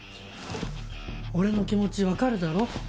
俺の気持ちわかるだろ？